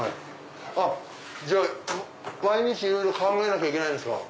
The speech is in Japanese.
じゃあ毎日いろいろ考えなきゃいけないんですか。